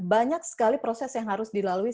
banyak sekali proses yang harus dilalui